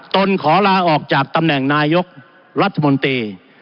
ตนขอลาออกจากตำแหน่งนายกรัฐมนตรี